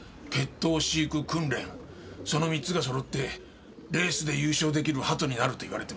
その３つが揃ってレースで優勝できる鳩になると言われています。